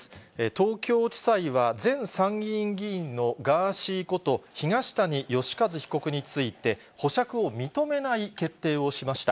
東京地裁は、前参議院議員のガーシーこと東谷義和被告について、保釈を認めない決定をしました。